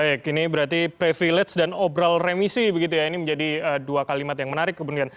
baik ini berarti privilege dan obrol remisi ini menjadi dua kalimat yang menarik kebenaran